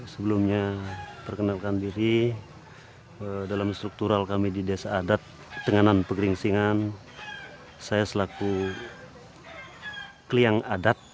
sebelumnya perkenalkan diri dalam struktural kami di desa adat tenganan pegeringsingan saya selaku kliang adat